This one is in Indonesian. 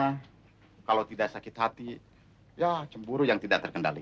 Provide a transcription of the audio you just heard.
karena kalau tidak sakit hati ya cemburu yang tidak terkendali